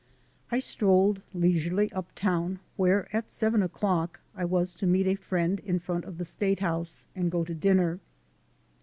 I strolled leisurely uptown where, at seven o'clock, I was to meet a friend in front of the State House, and to go to dinner.